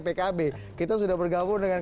pkb kita sudah bergabung dengan